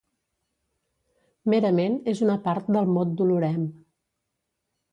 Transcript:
Merament, és una part del mot Dolorem.